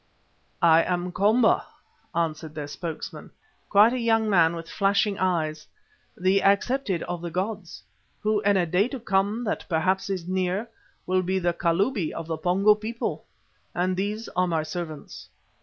"I am Komba," answered their spokesman, quite a young man with flashing eyes, "the Accepted of the Gods, who, in a day to come that perhaps is near, will be the Kalubi of the Pongo people, and these are my servants.